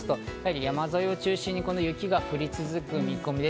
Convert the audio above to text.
山沿いを中心に雪が降り続く見込みです。